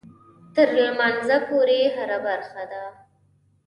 تر لمانځه پورې هره برخه ده.